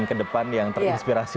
ke depan yang terinspirasi